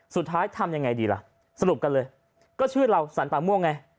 ทำยังไงดีล่ะสรุปกันเลยก็ชื่อเราสรรป่าม่วงไง